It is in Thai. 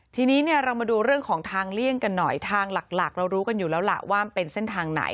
ทีนี้เนี่ยเรามาดูเรื่องของทางเลี่ยงกันหน่อยทางหลักเรารู้กันอยู่แล้วล่ะว่ามันเป็นเส้นทางไหน